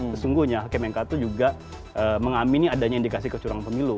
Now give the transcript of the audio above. sesungguhnya hakim mk itu juga mengamini adanya indikasi kecurangan pemilu